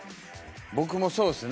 僕もそうですね